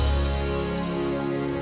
masa apa belajar